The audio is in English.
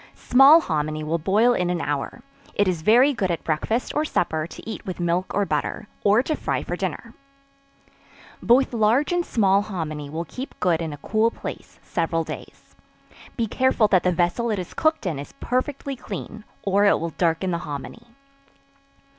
Small hominy will boil in an hour; it is very good at breakfast or supper to eat with milk or butter, or to fry for dinner. Both large and small hominy will keep good in a cool place several days. Be careful that the vessel it is cooked in, is perfectly clean, or it will darken the hominy.